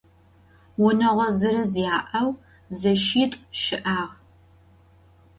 Vuneğo zırız ya'eu zeşşit'u şı'ağ.